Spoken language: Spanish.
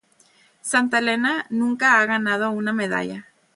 Santa Elena nunca ha ganado una medalla.